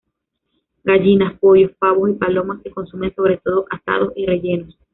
Gallinas, pollos, pavos y palomos se consumen sobre todo asados y rellenos.